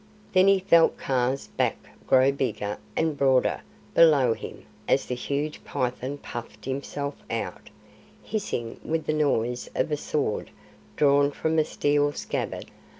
Then he felt Kaa's back grow bigger and broader below him as the huge python puffed himself out, hissing with the noise of a sword drawn from a steel scabbard.